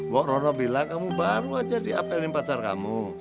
bokrono bilang kamu baru aja diapelin pacar kamu